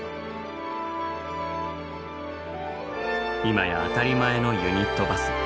今や当たり前のユニットバス。